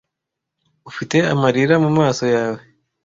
ufite amarira mu maso yawe